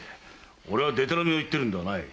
俺はでたらめを言っているのではない。